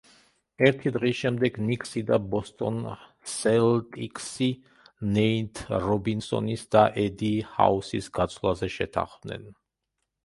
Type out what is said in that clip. ერთი დღის შემდეგ ნიქსი და ბოსტონ სელტიკსი ნეით რობინსონის და ედი ჰაუსის გაცვლაზე შეთანხმდნენ.